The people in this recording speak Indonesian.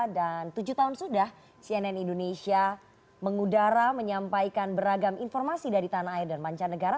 dan tujuh tahun sudah cnn indonesia mengudara menyampaikan beragam informasi dari tanah air dan mancanegara